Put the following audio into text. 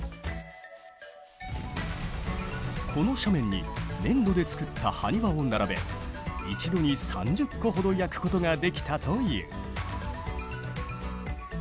この斜面に粘土でつくったハニワを並べ一度に３０個ほど焼くことができたという。